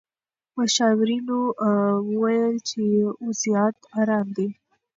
مشاورینو وویل چې وضعیت ارام دی.